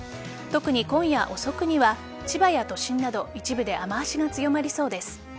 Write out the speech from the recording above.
特に今夜遅くには千葉や都心など一部で雨脚が強まりそうです。